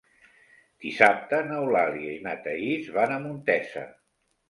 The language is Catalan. Dissabte n'Eulàlia i na Thaís van a Montesa.